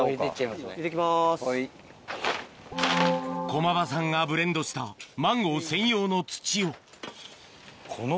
駒場さんがブレンドしたマンゴー専用の土をでもね